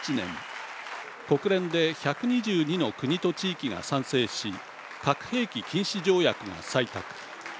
国連で１２２の国と地域が賛成し核兵器禁止条約が採択。